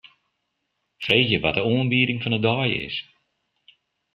Freegje wat de oanbieding fan 'e dei is.